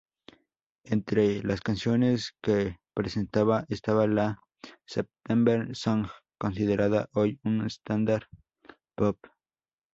Entre las canciones que presentaba estaba la "September Song", considerada hoy un estándar pop.